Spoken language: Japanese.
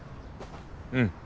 うん。